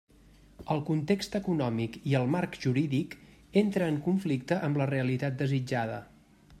El context econòmic i el marc jurídic entra en conflicte amb la realitat desitjada.